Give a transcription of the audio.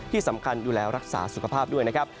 ที่สำคัญดูแลรักษาสุขภาพด้วยนะครับ